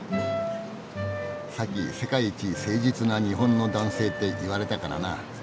さっき「世界一誠実な日本の男性」って言われたからなあ。